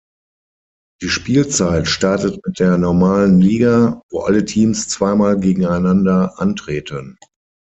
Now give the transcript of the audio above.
Die Spielzeit startet mit der normalen Liga, wo alle Teams zweimal gegeneinander antreten.